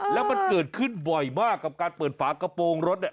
แล้วมันเกิดขึ้นบ่อยมากกับการเปิดฝากระโปรงรถเนี่ย